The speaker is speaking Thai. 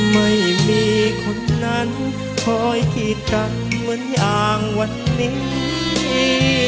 ไม่มีคนนั้นคอยกีดกันเหมือนอย่างวันนี้